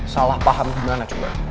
salah paham gimana coba